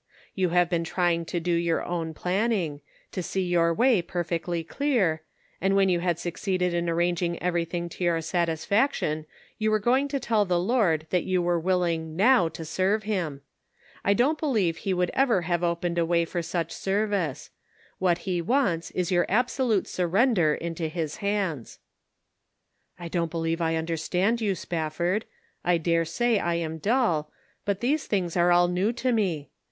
You have been trying to do your own planning; to see your way perfectly clear, and when you had succeeded in arranging everything to your satisfaction, you were going to tell the Lord that you were willing now to serve him. I don't be lieve he would ever have opened a way for such service ; what he wants is your absolute surrender into his hands." " I don't believe I understand you, Spaf ford ; I dare say I am dull, but these things are all new to me.